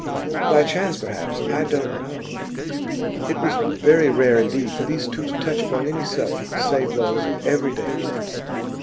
'By chance, perhaps. I don't know.' It was very rare indeed for these two to touch upon any subject save those of everyday interest.